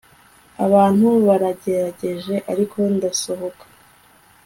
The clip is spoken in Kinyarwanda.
Abantu baragerageje ariko ndasohoka